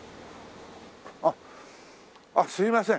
あっあっすいません。